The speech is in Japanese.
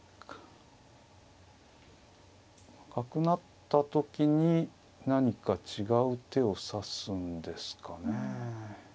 角成った時に何か違う手を指すんですかねえ。